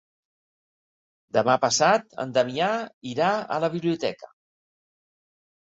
Demà passat en Damià irà a la biblioteca.